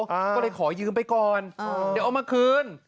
ก็เลยขอยืมไปก่อนเดี๋ยวเอามาคืน